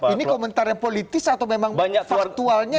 ini komentarnya politis atau memang faktualnya